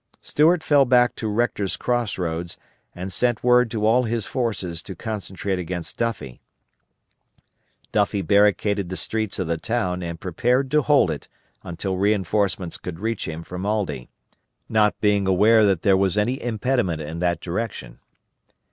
Stuart fell back to Rector's Cross Roads, and sent word to all his forces to concentrate against Duffie. Duffie barricaded the streets of the town and prepared to hold it until reinforcements could reach him from Aldie, not being aware that there was any impediment in that direction.